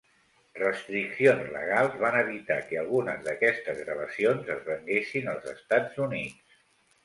Restriccions legals van evitar que algunes d'aquestes gravacions es venguessin als Estats Units.